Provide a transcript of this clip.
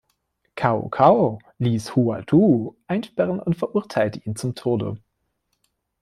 Cao Cao ließ Hua Tuo einsperren und verurteilte ihn zum Tode.